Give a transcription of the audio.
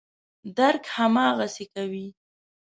درک هماغسې کوي.